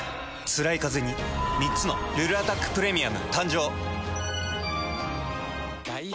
つらいカゼに３つの「ルルアタックプレミアム」誕生。